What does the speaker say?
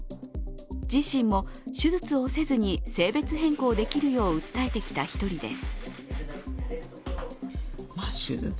自身も手術をせずに性別変更をできるよう訴えてきた一人です。